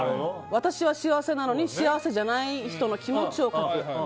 私は幸せなのに幸せじゃない人の気持ちを書く。